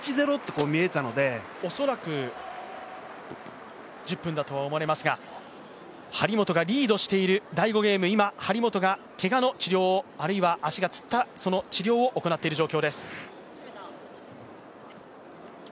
恐らく１０分だとは思われますが張本がリードしている第５ゲーム、今張本がけがの治療、あるいは足がつった治療を行っている状況です。